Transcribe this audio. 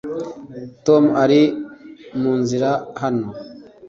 tom ari munzira hano